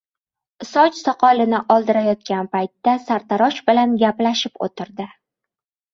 Soch-soqolini oldirayotgan paytda sartarosh bilan gaplashib oʻtirdi.